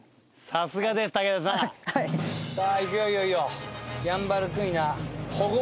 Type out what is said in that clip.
さあ行くよいよいよ。